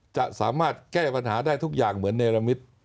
จะสามารถแก้ปัญหาได้ทุกอย่างเหมือนเนรมิต